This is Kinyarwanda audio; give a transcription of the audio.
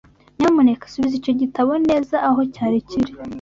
Nyamuneka subiza icyo gitabo neza aho cyari kiri.